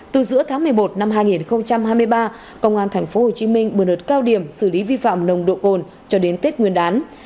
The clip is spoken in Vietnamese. từ giữa tháng một mươi một năm hai nghìn hai mươi ba công an tp hồ chí minh bừa nợt cao điểm xử lý vi phạm nồng độ cồn cho đến tết nguyên đán